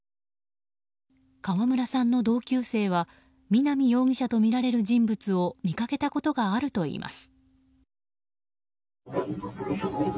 川村さんの同級生は南容疑者とみられる人物を見かけたことがあるといいます。